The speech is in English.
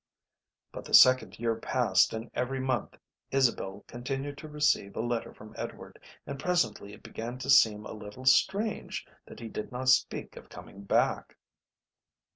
But the second year passed and every month Isabel continued to receive a letter from Edward, and presently it began to seem a little strange that he did not speak of coming back.